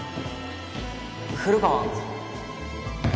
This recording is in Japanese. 古川